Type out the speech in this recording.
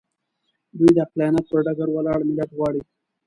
دوی د عقلانیت پر ډګر ولاړ ملت غواړي.